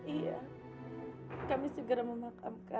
iya kami segera memakamkan